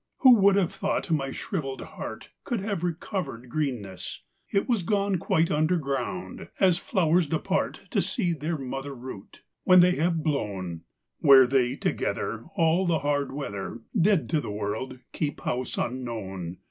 Who would have thought my shrivelled heartCould have recovered greenness? It was goneQuite underground; as flowers departTo see their mother root, when they have blown; Where they togetherAll the hard weather, Dead to the world, keep house unknown.